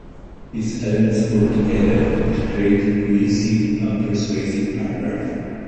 These elements work together to create a cohesive and persuasive paragraph.